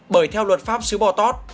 bởi theo luật pháp sứ bò tót